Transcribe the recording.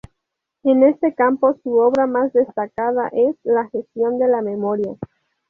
En este campo su obra más destacada es "La gestión de la memoria.